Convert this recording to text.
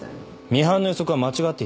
ミハンの予測は間違っていた。